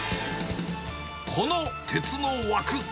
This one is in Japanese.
この鉄の枠。